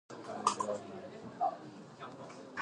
After retiring as a player, Gray turned to coaching.